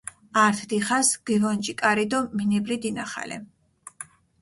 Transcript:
ართ დიხას გჷვონჯი კარი დო მინიბლი დინახალე.